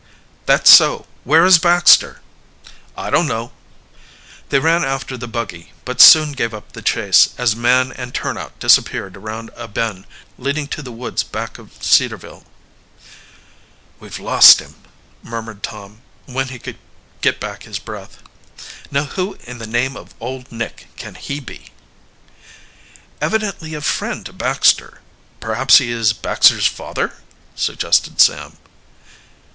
"That's so. Where is Baxter?" "I don't know." They ran after the buggy, but soon gave up the chase, as man and turnout disappeared around a bend leading to the woods back of Cedarville. "We've lost him!" murmured Tom, when he could get back his breath. "Now who in the name of Old Nick can he be?" "Evidently a friend to Baxter. Perhaps he is Baxter's father?" suggested Sam.